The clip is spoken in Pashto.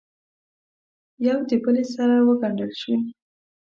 یو دبلې سره وګنډل شوې